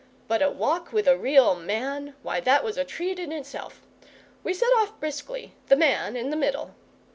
But a walk with a real Man why, that was a treat in itself! We set off briskly, the Man in the middle.